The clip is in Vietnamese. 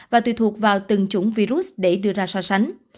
và tùy thuộc vào từng chủng virus để đưa ra so sánh